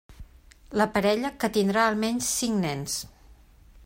La parella, que tindrà almenys cinc nens.